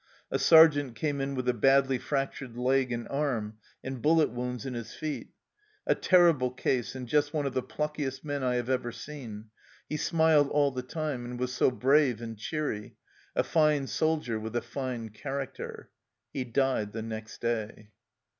A sergeant came in with a badly fractured leg and arm, and bullet wounds in his feet " a terrible case, and just one of the pluckiest men I have ever seen. He smiled all the time, and was so brave and cheery a fine soldier with a fine character." He died the next day.